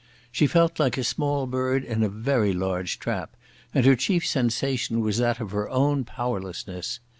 She felt like a small bird in a very large trap, and her chief sensation was that of her own powerlessness.